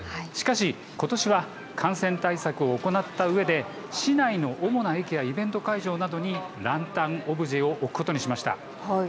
しかし、ことしは感染対策を行ったうえで市内の主な駅やイベント会場などにランタンのオブジェを置くことにしました。